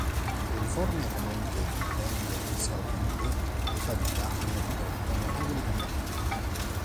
Le riforme economiche di Deng Xiaoping tuttavia hanno prodotto notevoli cambiamenti.